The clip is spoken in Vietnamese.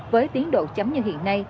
với tiến độ chấm như hiện nay